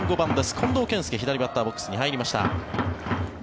近藤健介、左バッターボックスに入りました。